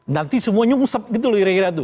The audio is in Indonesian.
nanti semua nyungsep gitu loh kira kira itu